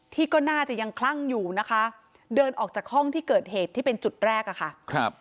ที่ก็น่าจะยังคลั่งอยู่นะคะเดินออกจากห้องที่เกิดเหตุที่เป็นจุดแรกอะค่ะครับ